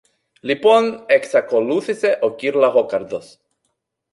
Λοιπόν, εξακολούθησε ο κυρ-Λαγόκαρδος